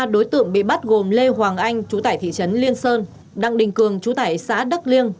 ba đối tượng bị bắt gồm lê hoàng anh chú tải thị trấn liên sơn đăng đình cường chú tải xã đắc liêng